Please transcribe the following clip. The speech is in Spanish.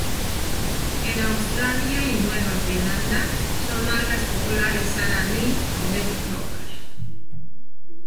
En Australia y Nueva Zelanda son marcas populares Sara Lee o Betty Crocker.